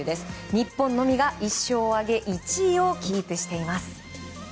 日本のみが１勝を挙げ１位をキープしています。